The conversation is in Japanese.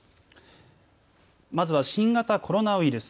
まずは新型コロナウイルス。